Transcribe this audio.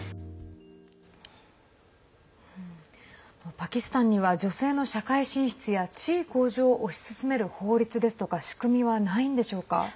パキスタンには女性の社会進出や地位向上を推し進める法律ですとか仕組みはないのでしょうか。